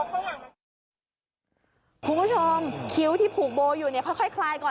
คุณผู้ชมคิ้วที่ผูกโบอยู่เนี่ยค่อยคลายก่อน